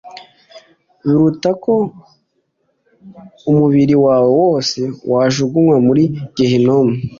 biruta ko umubiri wawe wose wajugunywa muri Gehinomu.